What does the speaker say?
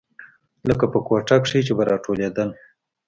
لکه په کوټه کښې چې به راټولېدل.